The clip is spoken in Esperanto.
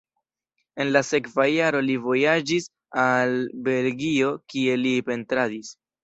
En la sekva jaro li vojaĝis al Belgio, kie li pentradis.